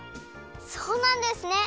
そうなんですね！